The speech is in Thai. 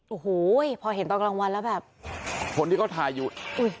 โอ้โหพอเห็นตอนกลางวันแล้วแบบคนที่เขาถ่ายอยู่อุ้ย